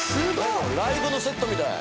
ライブのセットみたい。